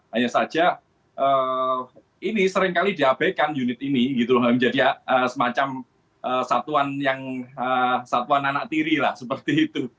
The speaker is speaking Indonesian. hanya saja ini seringkali diabaikan unit ini gitu menjadi semacam satuan anak tiri lah seperti itu